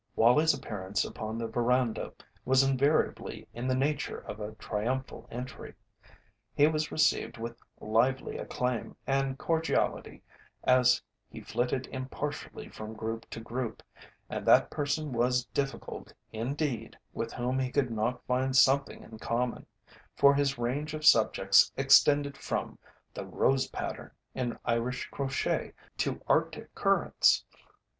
Wallie's appearance upon the veranda was invariably in the nature of a triumphal entry. He was received with lively acclaim and cordiality as he flitted impartially from group to group, and that person was difficult indeed with whom he could not find something in common, for his range of subjects extended from the "rose pattern" in Irish crochet to Arctic currents.